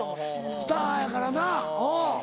スターやからなうん。